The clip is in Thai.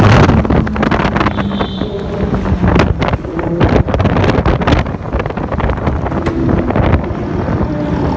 เมื่อเกิดขึ้นมันกลายเป้าหมายเป้าหมาย